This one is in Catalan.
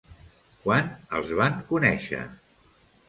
Quan els van conèixer?